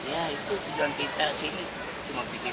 ya itu tujuan kita sini cuma pikir pikir